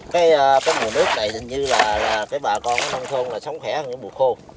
cái mùa nước này tình như là bà con nông thôn sống khỏe hơn mùa khô